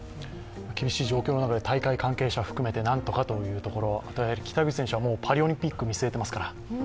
厳しい状況の中で大会関係者を含めてなんとかというところ、あとは北口選手、パリオリンピックを見据えていますから。